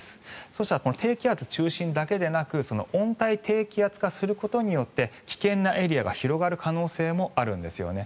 そしてこの低気圧の中心だけではなく温帯低気圧化することによって危険なエリアが広がる可能性もあるんですよね。